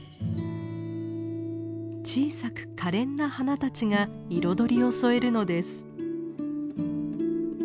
小さくかれんな花たちが彩りを添えるのです。